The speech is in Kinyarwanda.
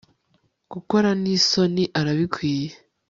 gukorwa nisoni urabikwiye